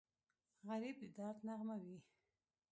غریب د درد نغمه وي